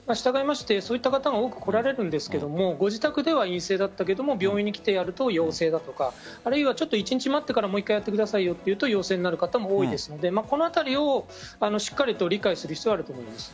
そういった方も多く来られるんですがご自宅では陰性だったけど病院に来てやると陽性だとかあるいは一日待ってからもう１回やってくださいとなると陽性になる方も多いのでこのあたりをしっかりと理解する必要はあると思います。